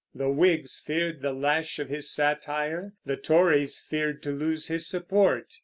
The Whigs feared the lash of his satire; the Tories feared to lose his support.